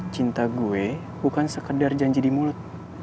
cinta gue bukan sekedar janji di mulut